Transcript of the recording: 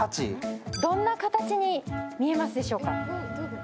どんな形に見えますでしょうか。